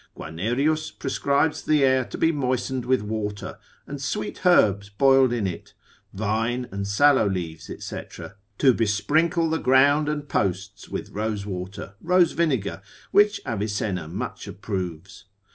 Guianerius prescribes the air to be moistened with water, and sweet herbs boiled in it, vine, and sallow leaves, &c., to besprinkle the ground and posts with rosewater, rose vinegar, which Avicenna much approves.